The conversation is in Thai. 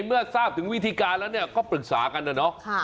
เมื่อทราบถึงวิธีการแล้วเนี่ยก็ปรึกษากันนะเนาะ